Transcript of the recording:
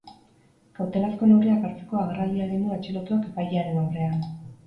Kautelazko neurriak hartzeko agerraldia egin du atxilotuak epailearen aurrean.